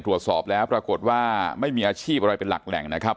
ตรวจสอบแล้วปรากฏว่าไม่มีอาชีพอะไรเป็นหลักแหล่งนะครับ